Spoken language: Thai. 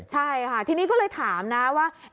ใช่ค่ะทีนี้ก็เลยถามนะว่า